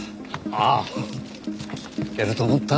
ああやると思った。